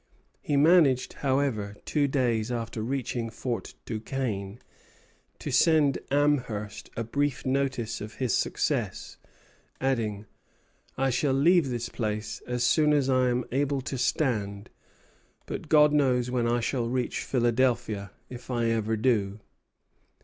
He managed, however, two days after reaching Fort Duquesne, to send Amherst a brief notice of his success, adding: "I shall leave this place as soon as I am able to stand; but God knows when I shall reach Philadelphia, if I ever do."